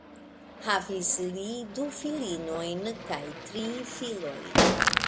Havis li du filinojn kaj tri filojn.